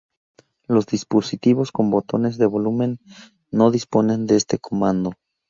Los dispositivos con botones de volumen no disponen de este comando.